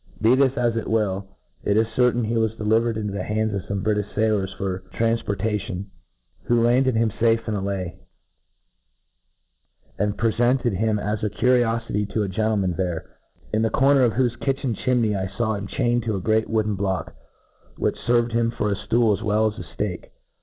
Be this as it will, it is certain he was delivered into the hands of fome Britifti failors for tranf* portation, who landed ham fafe in Ilay, and pre fcnted him as a curiofity to a gentleman there j— in the corner of whofe kitchen chimney I faw him chained to a great wooden block, which ferved him for a ftool as well zs a ftakc.